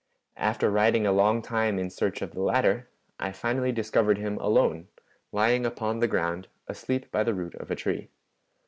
After riding a long time in search of the latter, I finally discovered him alone, lying upon the ground asleep by the root of a tree.